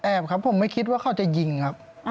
ครับผมไม่คิดว่าเขาจะยิงครับ